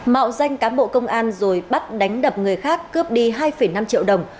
mạo danh cán bộ công an rồi bắt đánh đập người khác cướp đi hai năm triệu đồng